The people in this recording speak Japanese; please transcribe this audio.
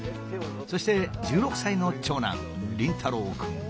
そして１６歳の長男凛太郎くん。